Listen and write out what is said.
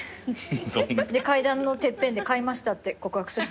で階段のてっぺんで「買いました」って告白。